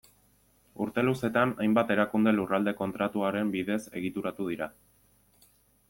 Urte luzetan, hainbat erakunde Lurralde Kontratuaren bidez egituratu dira.